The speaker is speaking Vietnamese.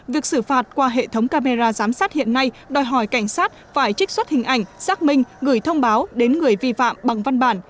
việc xử phạt qua hệ thống camera giám sát hiện nay đòi hỏi cảnh sát phải trích xuất hình ảnh xác minh gửi thông báo đến người vi phạm bằng văn bản